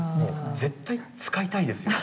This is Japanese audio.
絶対使いたいですよ。